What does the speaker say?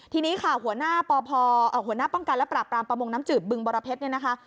ทีนี้ค่ะหัวหน้าป้องกันและปราบปรามประมงน้ำจืบบึงบรเพชรเนี่ยนะคะ